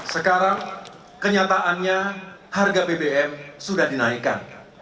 sekarang kenyataannya harga bbm sudah dinaikkan